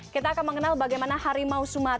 kita akan mengenal bagaimana harimau sumatera